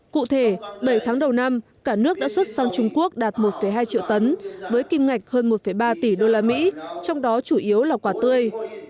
cụ thể bảy tháng đầu năm cả nước đã xuất sang trung quốc đạt một hai triệu tấn với kim ngạch hơn một ba tỷ usd trong đó chủ yếu là quả tươi